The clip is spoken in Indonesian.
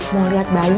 mau lihat bayi